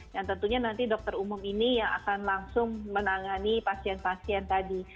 dan tentunya nanti dokter umum ini yang akan langsung menangani pasien pasien tadi